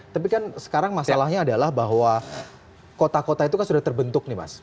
tapi kan sekarang masalahnya adalah bahwa kota kota itu kan sudah terbentuk nih mas